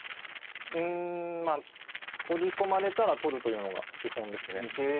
うんまあ取り込まれたら取るというのが基本ですね。